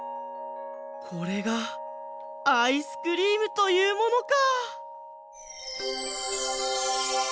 これがアイスクリームというものか！